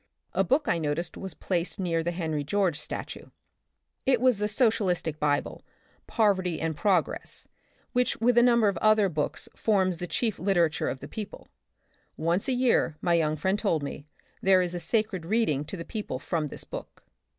A book I noticed was placed near the Henry George statue. It was the social istic bible Poverty and Progress which with a number of other such books forms the chief literature of the people. Once a year, my young friend told me, there is a sacred read ing to the people from this book.